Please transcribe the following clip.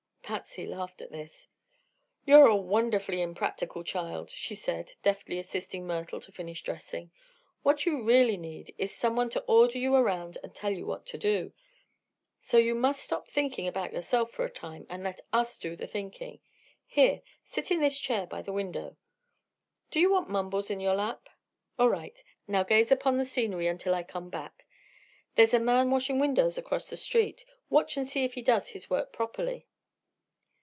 Patsy laughed at this. "You're a wonderfully impractical child," she said, deftly assisting Myrtle to finish dressing. "What you really need is some one to order you around and tell you what to do. So you must stop thinking about yourself, for a time, and let us do the thinking. Here sit in this chair by the window. Do you want Mumbles in your lap? All right. Now gaze upon the scenery until I come back. There's a man washing windows across the street; watch and see if he does his work properly."